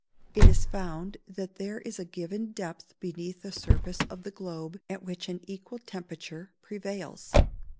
_ It is found that there is a given depth beneath the surface of the globe at which an equal temperature prevails.